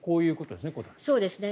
そうですね。